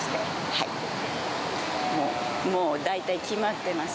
はい、もう大体決まってます。